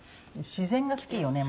自然が好きよね